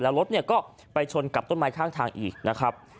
แล้วรถเนี่ยก็ไปชนกับต้นไม้ข้างทางอีกนะครับ